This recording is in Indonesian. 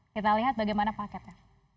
kita lihat bagaimana paketnya